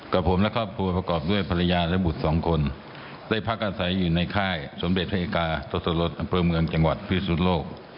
กระผมและครอบครัวประกอบด้วยภรรยาและบุฏสองคนได้พักอาศัยอยู่ในค่ายสมเด็จเวลากาทศลศประเมิงจังหวัดภิษฐุทธ์โลก